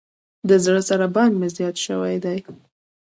د زړه ضربان مې زیات شوئ دی.